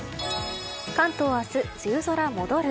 関東明日、梅雨空戻る。